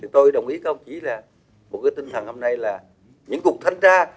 tôi đồng ý các ông chỉ là một cái tinh thần hôm nay là những cuộc thanh tra